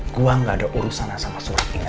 gue nggak ada urusan sama surat ini